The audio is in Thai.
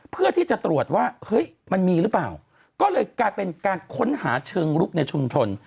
เพื่อที่จะตรวจว่าเฮ้ยมันมีหรือเปล่าก็เลยกลายเป็นการค้นหาเชิงลุกในชุมชน